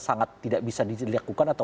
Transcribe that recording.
sangat tidak bisa dilakukan atau